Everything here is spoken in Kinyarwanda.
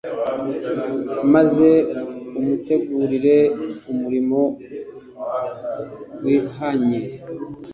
maze imutegurire umurimo wihanye.